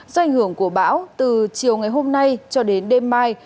do ảnh hưởng của bão từ chiều ngày hôm nay cho đến đêm mai